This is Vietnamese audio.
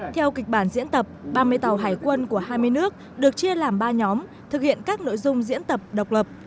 theo kịch bản diễn tập ba mươi tàu hải quân của hai mươi nước được chia làm ba nhóm thực hiện các nội dung diễn tập độc lập